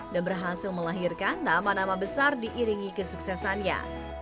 dan berhasil melahirkan nama nama besar diiringi kesuksesannya